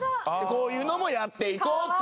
こういうのもやっていこうと。